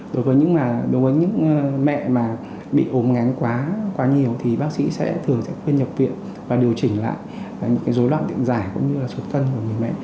đối với những mẹ mà bị ốm ngán quá nhiều thì bác sĩ sẽ thường sẽ khuyên nhập viện và điều chỉnh lại những cái dối loạn tiện giải cũng như là suốt cân của người mẹ